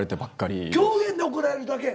狂言で怒られるだけ？